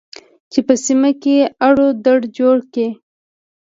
چې په سیمه کې اړو دوړ جوړ کړي